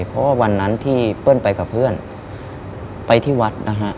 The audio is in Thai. เพราะว่าวันนั้นที่เปิ้ลไปกับเพื่อนไปที่วัดนะฮะ